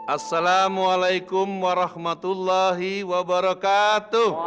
assalamualaikum warahmatullahi wabarakatuh